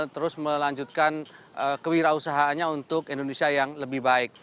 terus melanjutkan kewirausahaannya untuk indonesia yang lebih baik